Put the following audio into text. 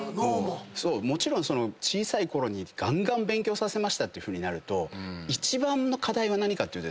もちろん小さいころにガンガン勉強させましたってなると一番の課題は何かっていうと。